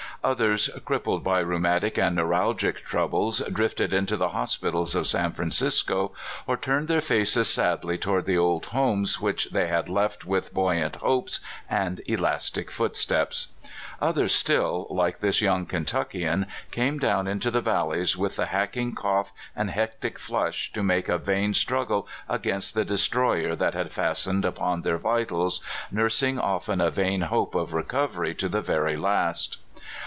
Others, crippled by rheumatic and neuralgic troubles, drifted into the hospitals of San Francisco, or turned their faces sadly toward the old homes which they had left with buoyant hopes and elastic footsteps. Others still, like this young Kentuckian, came down into the valleys with the hacking cough and hectic flush to make a vain struggle against the de stroyer that had fastened upon their vitals, nursing often a vain hope of recovery to the very last.